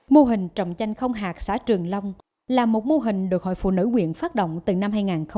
mô hình trồng chanh không hạt xã trường long là một mô hình được hội phụ nữ quyện phát động từ năm hai nghìn một mươi